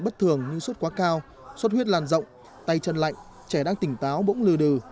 bất thường như sốt quá cao sốt huyết làn rộng tay chân lạnh trẻ đang tỉnh táo bỗng lừ đừ